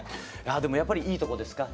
あでもやっぱりいいとこですか？